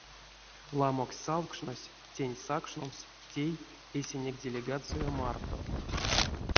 Ламоксть савкшнось тень сакшномс тей эсенек делегация марто.